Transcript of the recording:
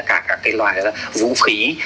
các cái loại vũ khí